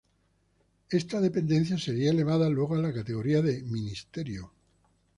Esta dependencia sería elevada luego a la categoría de ministerio.